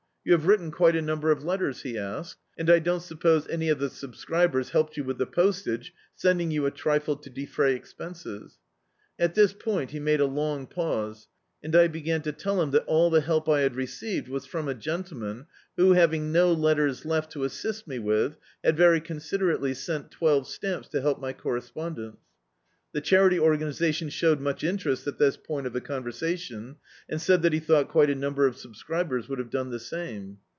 You have written quite a number of letters?" he asked; "and I don't suppose any of the subscribers helped you with the postage, sending you a trifle to defray expenses?" At this point he made a long pause, and I began to tell him that all the help I had received was from a gentleman who, having no letters left to assist me with, had very considerately sent twelve stamps to help my correspcmdence. The Charity Organisa tion showed much interest at this point of the con versation, and said that he thought quite a number of subscribers would have done the same.